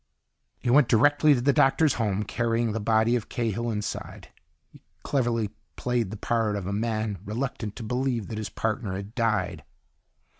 He went directly to the doctor's home, carrying the body of Cahill inside. He cleverly played the part of a man reluctant to believe that his partner had died.